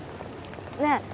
ねえ。